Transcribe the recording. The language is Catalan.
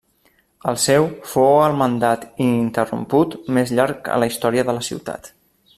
El seu fou el mandat ininterromput més llarg a la història de la ciutat.